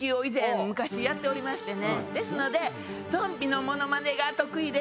ですので。